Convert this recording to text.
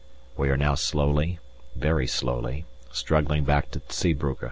We are now slowly, very slowly, struggling back to Zeebrugge.